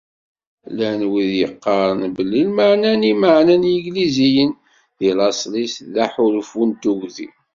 Llan wid yeqqaren belli lmeεna-nni meεnen Yigliziyen deg laṣel-is d aḥulfu n tugdi.